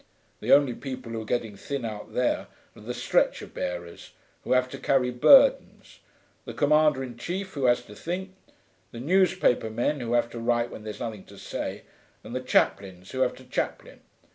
The only people who are getting thin out there are the stretcher bearers, who have to carry burdens, the Commander in chief, who has to think, the newspaper men, who have to write when there's nothing to say, and the chaplains, who have to chaplain.